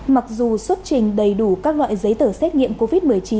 mặc dù xuất trình đầy đủ các loại giấy tờ xét nghiệm covid một mươi chín